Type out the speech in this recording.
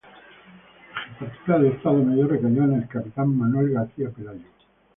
La jefatura de Estado Mayor recayó en el capitán Manuel García-Pelayo.